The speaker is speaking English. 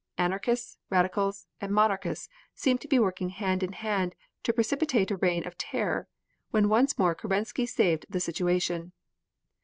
Anarchists, radicals, and monarchists seemed to be working hand in hand to precipitate a reign of terror, when once more Kerensky saved the situation.